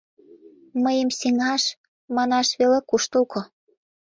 Мыйым сеҥаш — манаш веле куштылго.